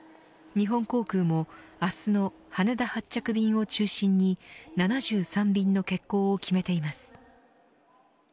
日本航空も明日の羽田発着便を中心に７３便の欠航を決めています。